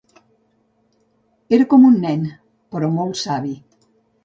Era com un nen, però molt savi.